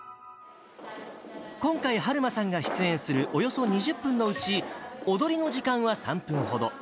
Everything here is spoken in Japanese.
今回、はるまさんが出演するおよそ２０分のうち、踊りの時間は３分ほど。